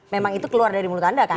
memang itu keluar dari mulut anda kan